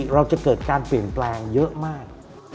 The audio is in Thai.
เราจะเกิดการเปลี่ยนแปลงเยอะมาก